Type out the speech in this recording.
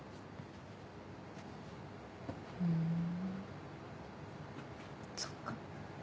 ふんそっか。